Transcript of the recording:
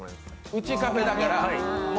ウチカフェだから。